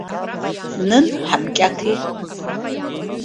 Нын, ҳамкьаҭеи.